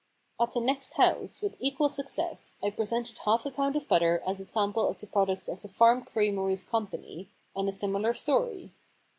* At the next house with equal success I presented half a pound of butter as a sample of the products of the Farm Creameries Com pany, and a similar story.